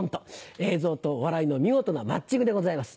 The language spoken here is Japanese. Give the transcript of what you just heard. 映像と笑いの見事なマッチングでございます。